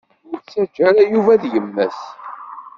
Ur ttaǧǧaɣ Yuba ad yemmet.